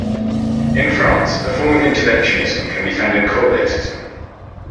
In France, a form of interventionism can be found in colbertism.